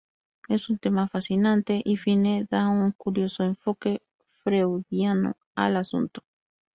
Es un tema fascinante y Fine da un curioso enfoque freudiano al asunto.